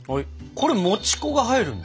これもち粉が入るんだ。